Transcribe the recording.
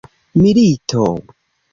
milito